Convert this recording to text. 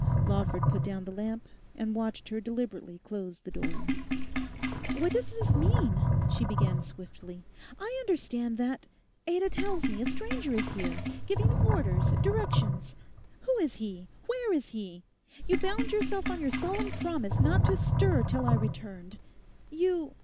Lawford put down the lamp, and watched her deliberately close the door. 'What does this mean?' she began swiftly, 'I understand that—Ada tells me a stranger is here; giving orders, directions. Who is he? where is he? You bound yourself on your solemn promise not to stir till I returned. You...